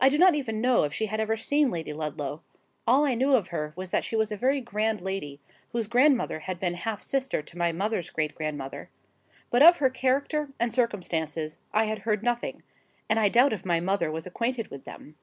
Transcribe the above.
I do not even know if she had ever seen Lady Ludlow: all I knew of her was that she was a very grand lady, whose grandmother had been half sister to my mother's great grandmother; but of her character and circumstances I had heard nothing, and I doubt if my mother was acquainted with them.